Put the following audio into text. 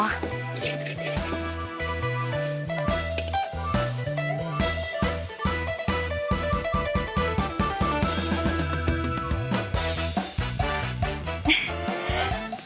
โอ้โฮ